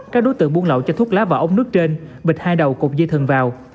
các đối tượng buôn lậu cho thuốc lá vào ống nước trên bịch hai đầu cùng dây thừng vào